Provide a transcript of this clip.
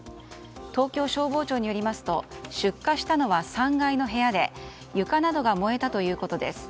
東京消防庁によりますと出火したのは３階の部屋で床などが燃えたということです。